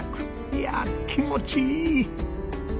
いやあ気持ちいい！